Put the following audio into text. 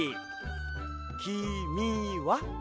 きみは？